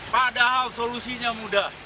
padahal solusinya mudah